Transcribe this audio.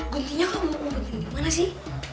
guntingnya kamu mau gunting di mana sih